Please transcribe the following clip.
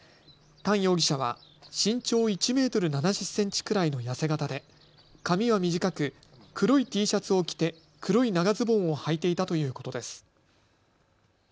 タン容疑者は身長１メートル７０センチくらいの痩せ型で髪は短く、黒いＴシャツを着て黒い長ズボンをはいていたということです。